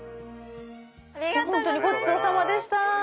本当にごちそうさまでした！